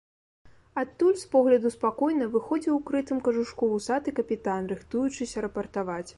Адтуль, з погляду спакойна, выходзіў у крытым кажушку вусаты капітан, рыхтуючыся рапартаваць.